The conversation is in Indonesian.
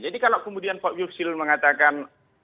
jadi kalau kemudian prof yusri lidi mengatakan